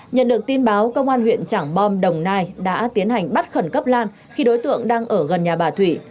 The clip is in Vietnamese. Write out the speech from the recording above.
nhận được tin báo công an huyện trảng bom đồng nai đã tiến hành bắt khẩn cấp lan khi đối tượng đang ở gần nhà bà thủy